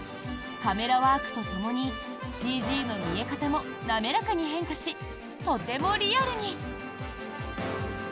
カメラワークとともにＣＧの見え方も滑らかに変化しとてもリアルに。